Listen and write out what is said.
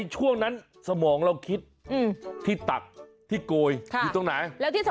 เจอแล้ว